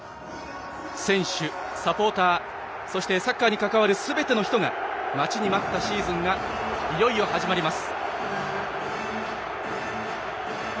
選手、サポーター、そしてサッカーに関わるすべての人が待ちに待ったシーズンがいよいよ始まります。